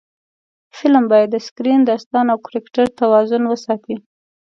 فلم باید د سکرېن، داستان او کرکټر توازن وساتي